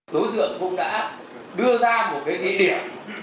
đối tượng cũng đã đưa ra một cái địa điểm